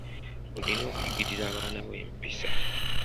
Olina okuyigiriza abaana bo empisa.